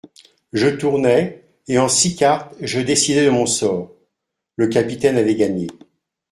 Je tournai, et en six cartes je décidai de mon sort ; le capitaine avait gagné.